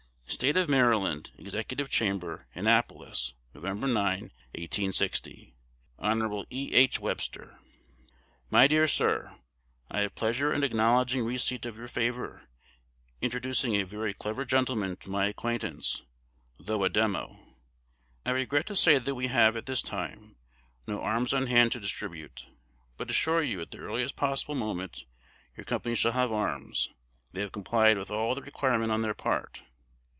State of Maryland, Executive Chamber, Annapolis, Nov. 9, 1860. Hon. E. H. Webster. My dear Sir, I have pleasure in acknowledging receipt of your favor introducing a very clever gentleman to my acquaintance (though a Demo'). I regret to say that we have, at this time, no arms on hand to distribute, but assure you at the earliest possible moment your company shall have arms: they have complied with all required on their part.